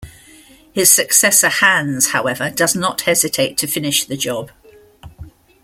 His successor, Hans, however, does not hesitate to finish the Job.